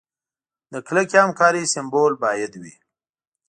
د کلکې همکارۍ سمبول باید وي.